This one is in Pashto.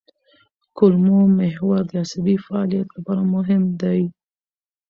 کولمو محور د عصبي فعالیت لپاره مهم دی.